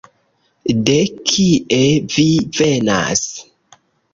De kie vi venas?